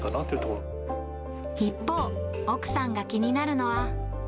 一方、奥さんが気になるのは。